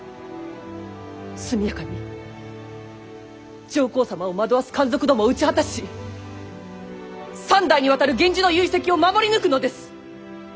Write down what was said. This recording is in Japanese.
速やかに上皇様を惑わす奸賊どもを討ち果たし三代にわたる源氏の遺跡を守り抜くのです。